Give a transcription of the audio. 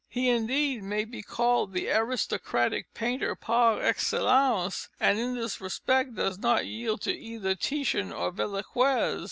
He, indeed, may be called the aristocratic painter par excellence, and in this respect does not yield to either Titian or Velazquez.